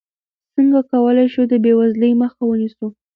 څنګه کولی شو د بېوزلۍ مخه ونیسو؟